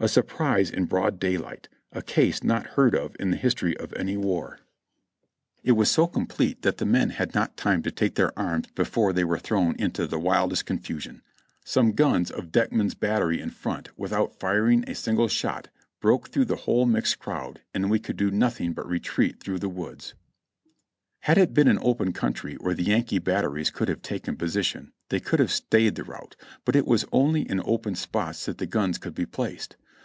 A surprise in broad daylight, a case not heard of in the history of any war; it was so complete 358 JOHNNY RE:b and BILLY YANK that the men had not time to take their arms before they were thrown into the wildest confusion. Some guns of Dieckman's bat tery in front, without firing a single shot, broke through the whole mixed crowd, and we could do nothing but retreat through the woods." (Reb. Records, Vol. 25, p. 655.) Had it been an open country, where the Yankee batteries could have taken position, they could have stayed the rout, but it was only in open spots that the gims could be placed.